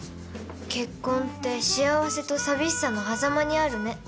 結婚って幸せと寂しさのはざまにあるね。